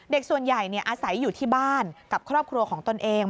ส่วนใหญ่อาศัยอยู่ที่บ้านกับครอบครัวของตนเอง